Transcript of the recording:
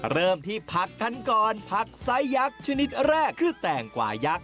เริ่มที่ผักกันก่อนผักไซสยักษ์ชนิดแรกคือแตงกว่ายักษ